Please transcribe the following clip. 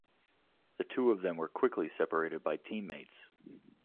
The two of them were quickly separated by team-mates.